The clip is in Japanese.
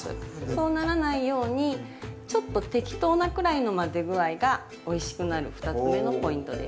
そうならないようにちょっと適当なくらいの混ぜ具合がおいしくなる２つ目のポイントです。